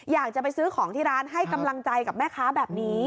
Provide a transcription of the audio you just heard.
อยากจะไปซื้อของที่ร้านให้กำลังใจกับแม่ค้าแบบนี้